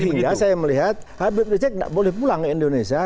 sehingga saya melihat habib rizieq tidak boleh pulang ke indonesia